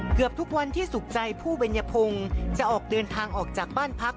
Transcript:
เกือบทุกวันที่สุขใจผู้เบญพงศ์จะออกเดินทางออกจากบ้านพัก